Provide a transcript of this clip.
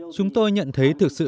chúng tôi nhận thấy thực sự